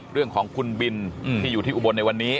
เรื่องของคุณบินที่อยู่ที่อุบลในวันนี้